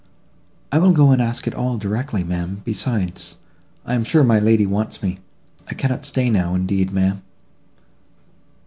"I will go and ask it all directly, ma'am; besides, I am sure my lady wants me. I cannot stay now, indeed, ma'am."